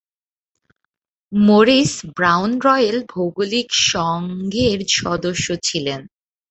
Morris Brown Royal ভৌগোলিক সংঘের সদস্য ছিলেন।